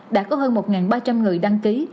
đã có hơn một ba trăm linh người đăng ký